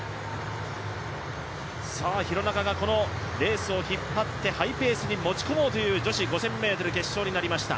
廣中がこのレースを引っ張ってハイペースに持ち込もうという女子５０００ｍ決勝になりました。